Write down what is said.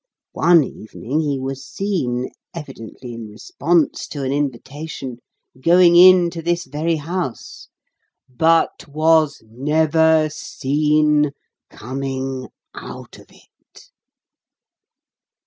One evening he was seen, evidently in response to an invitation, going into this very house, BUT WAS NEVER SEEN COMING OUT OF IT!"